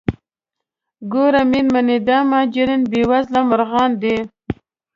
ګوره میرمنې دا مهاجرین بې وزره مرغان دي.